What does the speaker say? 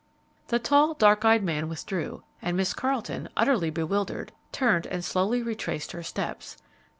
The tall, dark eyed man withdrew, and Miss Carleton, utterly bewildered, turned and slowly retraced her steps.